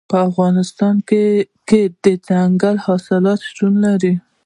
په افغانستان کې دځنګل حاصلات شتون لري.